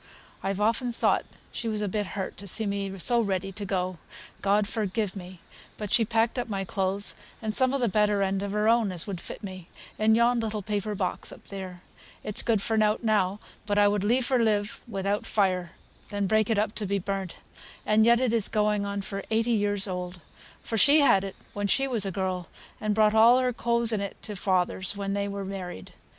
I've often thought she was a bit hurt to see me so ready to go God forgive me! But she packed up my clothes, and some o' the better end of her own as would fit me, in yon little paper box up there it's good for nought now, but I would liefer live without fire than break it up to be burnt; and yet it's going on for eighty years old, for she had it when she was a girl, and brought all her clothes in it to father's, when they were married.